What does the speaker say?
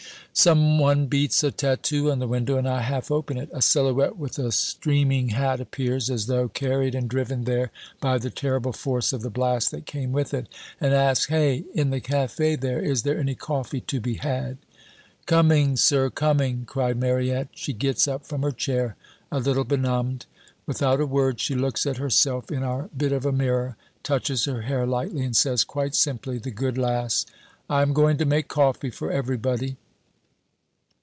"Some one beats a tattoo on the window, and I half open it. A silhouette with a streaming hat appears, as though carried and driven there by the terrible force of the blast that came with it, and asks "'Hey, in the cafe there! Is there any coffee to be had?' "'Coming, sir, coming,' cried Mariette. "She gets up from her chair, a little benumbed. Without a word she looks at her self in our bit of a mirror, touches her hair lightly, and says quite simply, the good lass "'I am going to make coffee for everybody.'